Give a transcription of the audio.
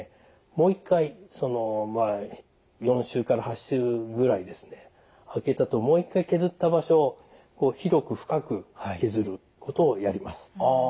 もう一回４週から８週ぐらい空けたあともう一回削った場所を広く深く削ることをやります。